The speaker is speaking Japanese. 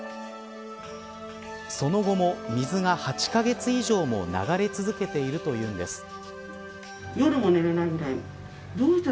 その後も水が８カ月以上も流れ続けているというのです。